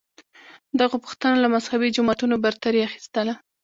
دغو پوښتنو له مذهبې جماعتونو برتري اخیستله